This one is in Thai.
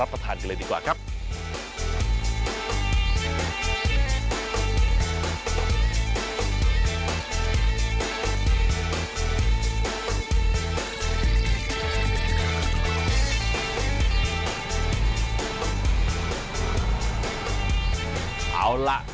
เอาล่ะเดินทางมาถึงในช่วงไฮไลท์ของตลอดกินในวันนี้แล้วนะครับ